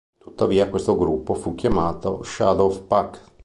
Tuttavia, questo gruppo fu chiamato Shadowpact.